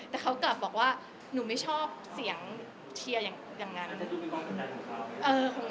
แต่เขากลับบอกว่าหนูไม่ชอบเสียงเชียร์อย่างนั้น